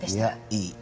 いやいい。